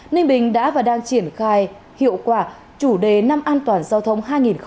ninh bình đã và đang triển khai hiệu quả chủ đề năm an toàn giao thông hai nghìn hai mươi